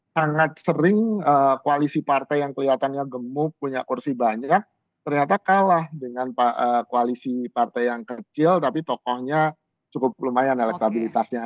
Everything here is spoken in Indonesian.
sangat sering koalisi partai yang kelihatannya gemuk punya kursi banyak ternyata kalah dengan koalisi partai yang kecil tapi tokohnya cukup lumayan elektabilitasnya